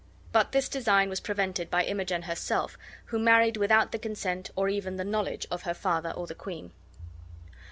But this design was prevented by Imogen herself, who married without the consent or even knowledge of her father or the queen.